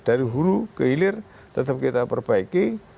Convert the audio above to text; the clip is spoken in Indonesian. dari hulu ke hilir tetap kita perbaiki